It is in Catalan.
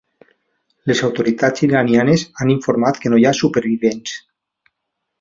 Les autoritats iranianes han informat que no hi ha supervivents.